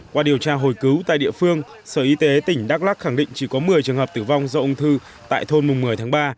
qua điều tra hồi cứu tại địa phương sở y tế tỉnh đắk lắc khẳng định chỉ có một mươi trường hợp tử vong do ung thư tại thôn mùng một mươi tháng ba